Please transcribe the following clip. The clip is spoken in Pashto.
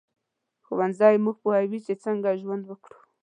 ښوونځی موږ پوهوي چې څنګه ژوند وکړو